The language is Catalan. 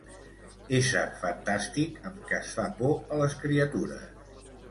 Ésser fantàstic amb què es fa por a les criatures.